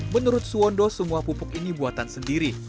menurut suwondo semua pupuk ini buatan sendiri